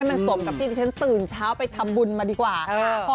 มันสมกับที่ดิฉันตื่นเช้าไปทำบุญมาดีกว่า